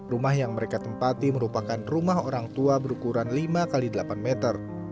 rumah yang mereka tempati merupakan rumah orang tua berukuran lima x delapan meter